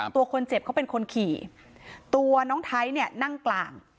ตัวคนเจ็บเขาเป็นคนขี่ตัวน้องไทยเนี่ยนั่งกลาง